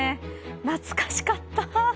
懐かしかった。